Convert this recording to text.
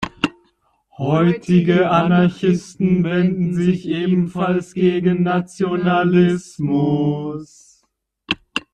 Heutige Anarchisten wenden sich ebenfalls gegen Nationalismus.